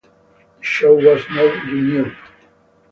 The show was not renewed.